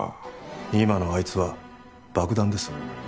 今のあいつは爆弾です。